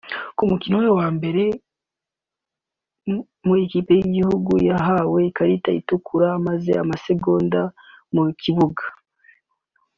Ku mukino we wambere mu ikipe y’igihugu yahawe ikarita itukura amaze amasegonda mu kibuga